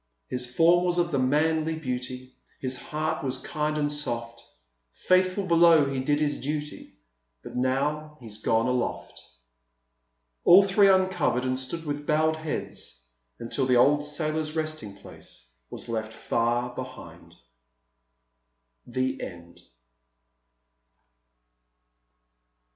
His form was of the manliest beauty, His heart was kind and soft; Faithful below he did his duty, But now he's gone aloft." All three uncovered and stood with bowed heads until the old sailor's resting place was left far behind. THE END.